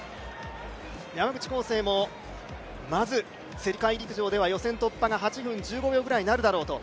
山口浩勢も、まず世界陸上では予選突破が８分１５秒ぐらいになるだろうと。